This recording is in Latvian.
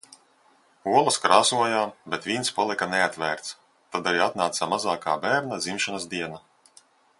Olas krāsojām, bet vīns palika neatvērts. Tad arī atnāca mazākā bērna dzimšanas diena.